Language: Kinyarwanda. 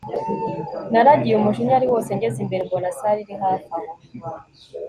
naragiye umujinya ari wose ngeze imbere mbona sale nini iri hafi aho